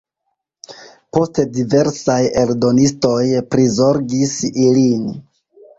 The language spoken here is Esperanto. Poste diversaj eldonistoj prizorgis ilin.